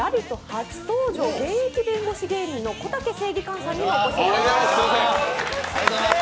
初登場、現役弁護士芸人のこたけ正義感さんにもお越しいただきました。